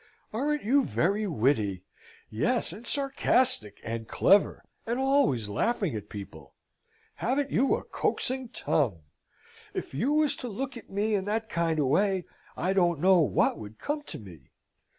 Aren't you very witty? Yes, and sarcastic, and clever, and always laughing at people? Haven't you a coaxing tongue? If you was to look at me in that kind of way, I don't know what would come to me.